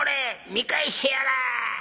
見返してやら！』。